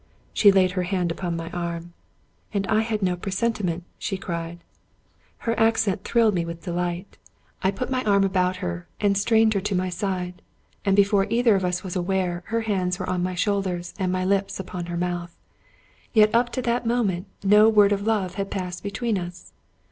She laid her hand upon my arm. " And I had no presentiment !" she cried. Her accent thrilled me with delight. I put my arm about 184 Robert Louis Stevenson her, and strained her to my side; and, before either of us was aware, her hands were on my shoulders and my lips upon her mouth. Yet up to that moment no word of love had passed between us.